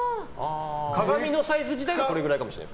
鏡のサイズ自体がこれぐらいかもしれない。